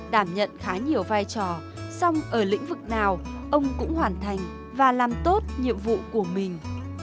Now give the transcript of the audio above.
đảm nhận khá nhiều vai trò song ở lĩnh vực nào ông cũng hoàn thành và làm tốt nhiệm vụ của mình